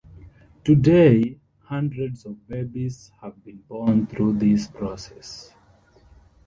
Today, hundreds of babies have been born through this process.